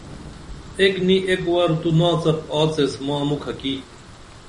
ایک نی ایک ور تو ناڅپ آڅیس ما مُکھہ کی